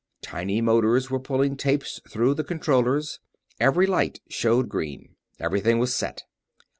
Tiny motors were pulling tapes through the controllers. Every light showed green. Everything was set.